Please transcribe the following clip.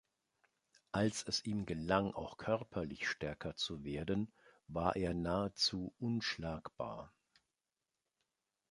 Als es ihm gelang, auch körperlich stärker zu werden, war er nahezu unschlagbar.